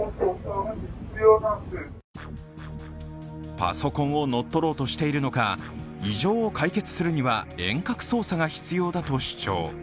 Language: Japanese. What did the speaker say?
パソコンを乗っ取ろうとしているのか、異常を解決するには遠隔操作が必要だと主張。